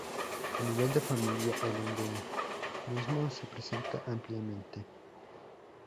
Al nivel de familia, el endemismo se presenta ampliamente.